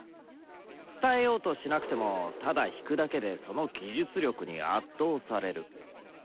伝えようとしなくてもただ弾くだけでその技術力に圧倒される。